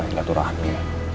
enggak tuh rahmi